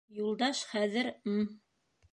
Юлдаш хәҙер М.